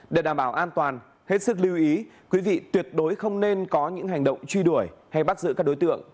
để đảm bảo an toàn hết sức lưu ý quý vị tuyệt đối không nên có những hành động truy đuổi hay bắt giữ các đối tượng